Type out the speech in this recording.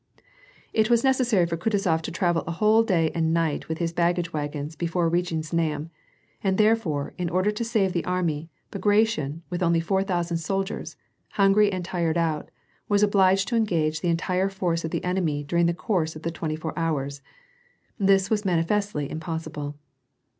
It was necessary for Kutuzof to travel a whole day and night with his baggage ▼agons before reaching Znaim, and, therefore, in order to save the army, Bagration, with only four thousand soldiers, hungry and tired out, was obliged to engage the entire force of the enemy during the course of the twenty. four hours : this was Dwnifestly impossible.